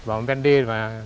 và bên đây